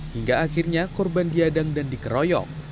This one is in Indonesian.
hingga akhirnya korban diadang dan dikeroyok